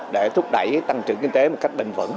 để thúc đẩy tăng trưởng kinh tế một cách bình vẩn